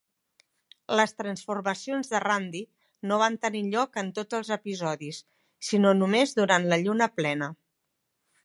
Les transformacions de Randi no van tenir lloc en tots els episodis, sinó només durant la lluna plena.